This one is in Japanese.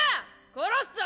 殺すぞ！